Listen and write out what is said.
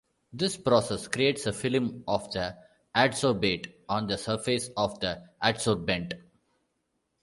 This process creates a film of the "adsorbate" on the surface of the "adsorbent".